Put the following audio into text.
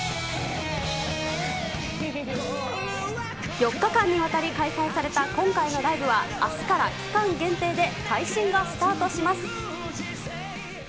４日間にわたり開催された今回のライブは、あすから期間限定で配信がスタートします。